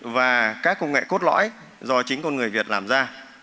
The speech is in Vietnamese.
và các công nghệ cốt lõi do chính con người việt làm ra